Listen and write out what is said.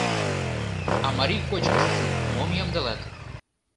— А марий кочкышыжым мом ямдылат?